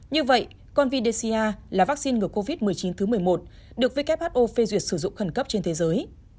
như vậy convidea là vaccine ngừa covid một mươi chín thứ một mươi một được who phê duyệt sử dụng khẩn cấp trên thế giới